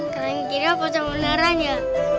kalian kira pocong beneran ya